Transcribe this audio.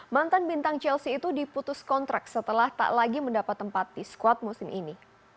mantan bintang chelsea itu diputus kontrak setelah tak lagi mendapat tempat di squad musim ini